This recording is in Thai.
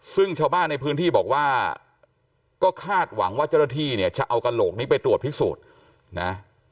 ซึ่งชาวบ้านในพื้นที่บอกว่าก็คาดหวังว่าเจ้าหน้าที่เนี่ยจะเอากระโหลกนี้ไปตรวจพิสูจน์นะ